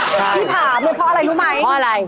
ที่ถามเลยเพราะอะไรรู้ไหมเพราะอะไร